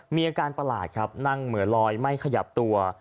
มีอาการประหลาดครับนั่งเหมือนลอยไม่ขยับตัว